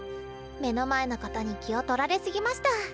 目の前のことに気を取られ過ぎました。